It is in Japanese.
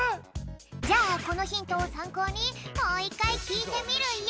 じゃあこのヒントをさんこうにもういっかいきいてみるＹＯ！